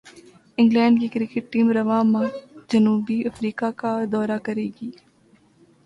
England کی cricket team رواں ماہ جنوبی افریقہ کا دورہ کرے گی